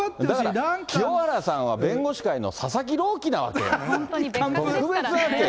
清原さんは弁護士界の佐々木朗希なわけよ。